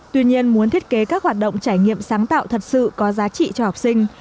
tuy nhiên muốn thiết kế các hoạt động trải nghiệm sáng tạo thật sự có giá trị cho học sinh